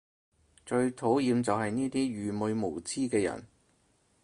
最討厭就係呢啲愚昧無知嘅人